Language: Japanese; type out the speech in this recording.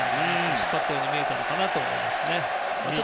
引っ張ったように見えたのかなと思います。